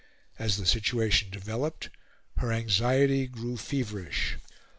As the situation developed, her anxiety grew feverish.